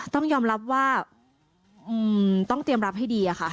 ต้องยอมรับว่าต้องเตรียมรับให้ดีค่ะ